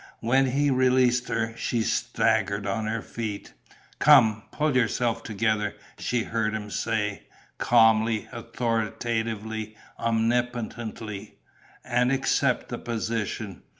When he released her, she staggered on her feet. "Come, pull yourself together," she heard him say, calmly, authoritatively, omnipotently. "And accept the position.